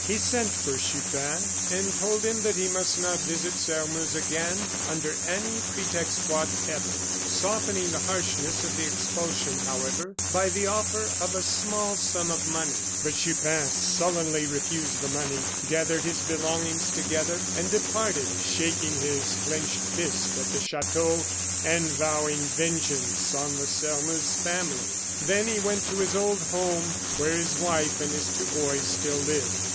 He sent for Chupin and told him that he must not visit Sairmeuse again under any pretext whatever, softening the harshness of expulsion, however, by the offer of a small sum of money. But Chupin sullenly refused the money, gathered his belongings together, and departed, shaking his clinched fist at the chateau, and vowing vengeance on the Sairmeuse family. Then he went to his old home, where his wife and his two boys still lived.